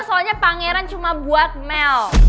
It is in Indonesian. soalnya pangeran cuma buat mel